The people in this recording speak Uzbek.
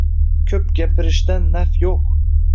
Ko‘p gapirishdan naf yo‘q.